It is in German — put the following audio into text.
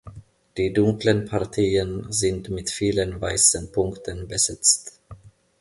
Die dunklen Partien sind mit vielen weißen Punkten besetzt.